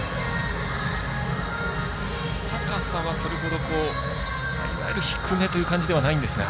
高さは、それほどいわゆる低めという感じではないんですが。